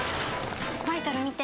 バイトル見て。